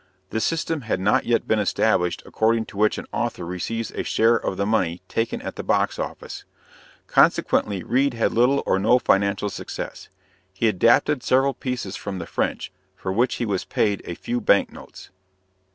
The system had not yet been established according to which an author receives a share of the money taken at the box office. Consequently, Reade had little or no financial success. He adapted several pieces from the French, for which he was paid a few bank notes.